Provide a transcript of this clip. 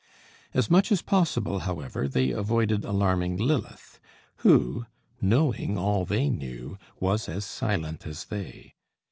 As much as possible, however, they avoided alarming Lilith, who, knowing all they knew, was as silent as they.